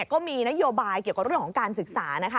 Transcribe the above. ก็มีนโยบายเกี่ยวกับเรื่องของการศึกษานะคะ